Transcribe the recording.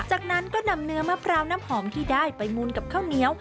จากนั้นก็นำเนื้อมะพร้าวน้ำหอมที่ได้ไปมูลกับข้าวเหนียว